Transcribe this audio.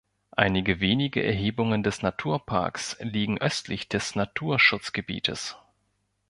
Einige wenige Erhebungen des Naturparks liegen östlich des Naturschutzgebietes.